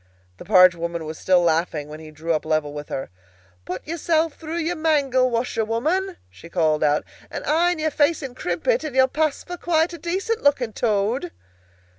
The barge woman was still laughing when he drew up level with her. "Put yourself through your mangle, washerwoman," she called out, "and iron your face and crimp it, and you'll pass for quite a decent looking Toad!"